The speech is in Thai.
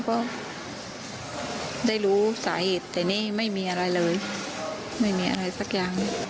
ก็ได้รู้สาเหตุแต่นี่ไม่มีอะไรเลยไม่มีอะไรสักอย่างเลย